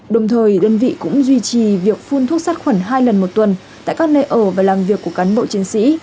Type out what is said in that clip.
đồng thời đơn vị cũng duy trì việc phun thuốc sát khuẩn hai lần một tuần tại các nơi ở và làm việc của cán bộ chiến sĩ